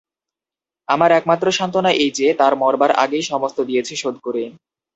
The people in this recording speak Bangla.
আমার একমাত্র সান্ত্বনা এই যে, তাঁর মরবার আগেই সমস্ত দিয়েছি শোধ করে।